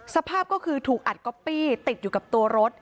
สภาพก็คือถูกอัดก๊อปปี้ติดอยู่กับตัวรถ